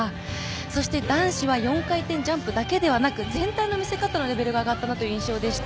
そして男子は４回転ジャンプだけでなく全体の見せ方のレベルが上がった印象でした。